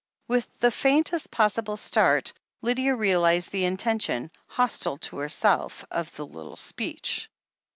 With the faintest possible start, Lydia realized the intention, hostile to herself, of the little speech.